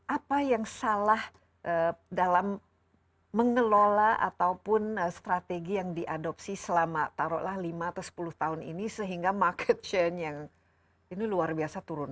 apa yang salah dalam mengelola ataupun strategi yang diadopsi selama taruhlah lima atau sepuluh tahun ini sehingga market chain yang ini luar biasa turun